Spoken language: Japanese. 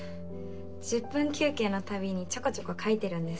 １０分休憩の度にちょこちょこ描いてるんです。